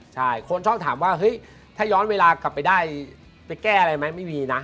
ใช่คนชอบถามว่าเฮ้ยถ้าย้อนเวลากลับไปได้ไปแก้อะไรไหมไม่มีนะ